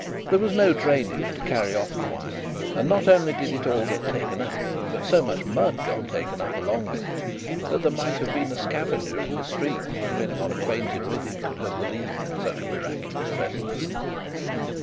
There was no drainage to carry off the wine, and not only did it all get taken up, but so much mud got taken up along with it, that there might have been a scavenger in the street, if anybody acquainted with it could have believed in such a miraculous presence.